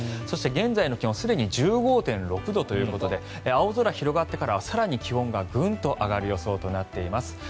そして現在の気温すでに１５．９度ということで青空が広がってからは更に気温がグンと上がる予想となっています。